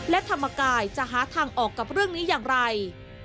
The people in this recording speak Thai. และธรรมกายจะหาทางออกกับเรื่องนี้อย่างไร